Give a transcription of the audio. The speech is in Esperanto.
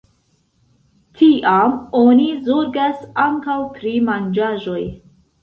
Tiam oni zorgas ankaŭ pri manĝaĵoj.